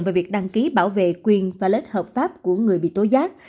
về việc đăng ký bảo vệ quyền và lết hợp pháp của người bị tố giác